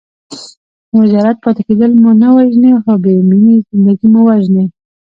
مجرد پاتې کېدل مو نه وژني خو بې مینې زندګي مو وژني.